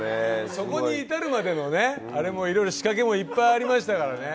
そこに至るまでの仕掛けもいっぱいありましたからね。